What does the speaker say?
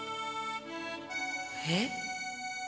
えっ？